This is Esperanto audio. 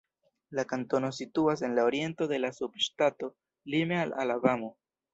La kantono situas en la oriento de la subŝtato, lime al Alabamo.